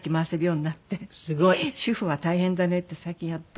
すごい！主婦は大変だねって最近やっと。